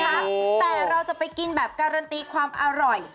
แต่เราจะไปกินแบบการันตีความอร่อย